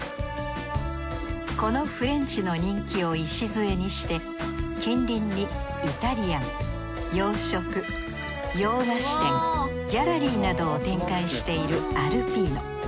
このフレンチの人気を礎にして近隣にイタリアン洋食洋菓子店ギャラリーなどを展開しているアルピーノ。